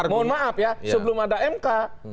mohon maaf ya sebelum ada mk